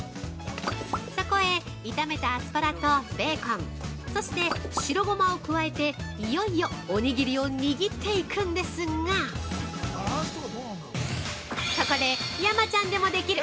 ◆そこへ、炒めたアスパラとベーコン、そして白ごまを加えていよいよおにぎりを握っていくんですがここで、山ちゃんでもできる！